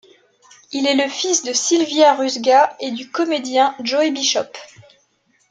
Il est le fils de Sylvia Ruzga et du comédien Joey Bishop.